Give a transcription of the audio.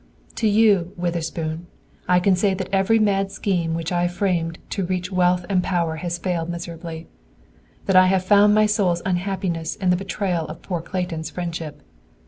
"To you, Witherspoon, I can say that every mad scheme which I framed to reach wealth and power has failed miserably; that I have found my soul's unhappiness in the betrayal of poor Clayton's friendship.